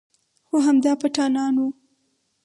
خو همدا پټانان و.